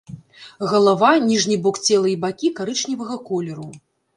Галава, ніжні бок цела і бакі карычневага колеру.